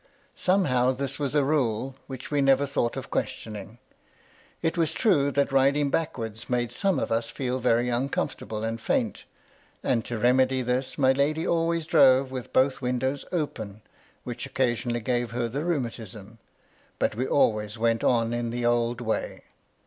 Somehow this was a rule, which we never thought of questioning. It was true that riding backwards made some of us feel very uncom fortable and faint ; and to remedy this my lady always drove with both windows open, which occasionally gave her the rheumatism ; but we always went on in the old way.